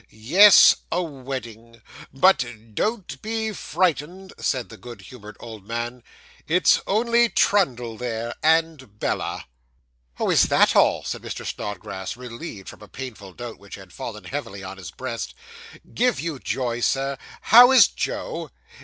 'Yes, a wedding. But don't be frightened,' said the good humoured old man; 'it's only Trundle there, and Bella.' 'Oh, is that all?' said Mr. Snodgrass, relieved from a painful doubt which had fallen heavily on his breast. 'Give you joy, Sir. How is Joe?